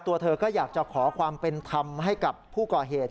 ตัวเธอก็อยากจะขอความเป็นธรรมให้กับผู้ก่อเหตุ